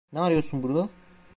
Ne arıyorsun burada?